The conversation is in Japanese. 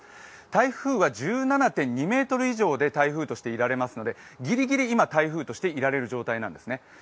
台風は１７．２ｍ以上で台風としていられますのでぎりぎり今、台風としていられる状態なんですね。